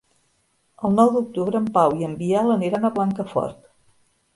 El nou d'octubre en Pau i en Biel aniran a Blancafort.